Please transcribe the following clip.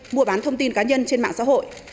mua bán thông tin cá nhân trên mạng xã hội